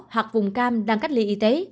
hoặc vùng cam đang cách ly y tế